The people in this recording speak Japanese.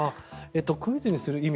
クイズにする意味